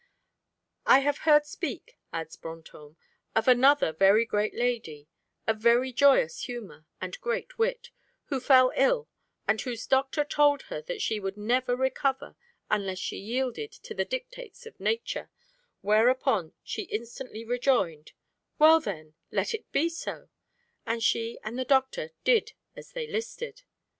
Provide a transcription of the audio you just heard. "I have heard speak," adds Brantôme, "of another very great lady, of very joyous humour, and great wit, who fell ill and whose doctor told her that she would never recover unless she yielded to the dictates of nature, whereupon she instantly rejoined: 'Well then, let it be so;' and she and the doctor did as they listed....